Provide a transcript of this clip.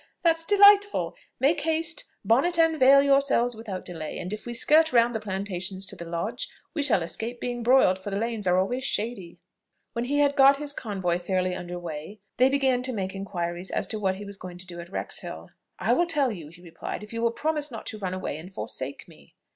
That's delightful! Make haste; bonnet and veil yourselves without delay: and if we skirt round the plantations to the lodge, we shall escape being broiled, for the lanes are always shady." When he had got his convoy fairly under weigh, they began to make inquiries as to what he was going to do at Wrexhill. "I will tell you," he replied, "if you will promise not to run away and forsake me."